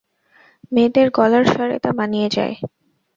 মেয়েদের গলার স্বরে তা মানিয়ে যায়।